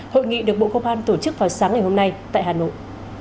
hội nghị được bộ công an tổ chức vào sáng ngày hôm nay tại hà nội